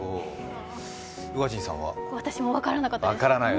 私も分からなかったです。